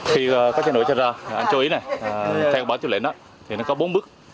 khi có cháy nổ cháy ra anh chú ý này theo báo chụp lễn thì nó có bốn bước